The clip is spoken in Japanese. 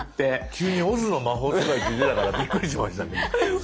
急に「オズの魔法使い」って出たからびっくりしましたけど。